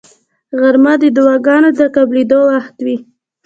غرمه د دعاګانو د قبلېدو وخت وي